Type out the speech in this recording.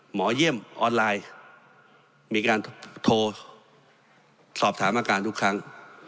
หมอเยี่ยมออนไลน์มีการโทรสอบถามอาการทุกครั้ง